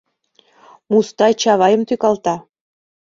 Мустай Чавайым тӱкалта: